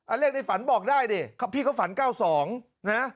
เลขในฝันบอกได้ดิพี่เขาฝัน๙๒นะ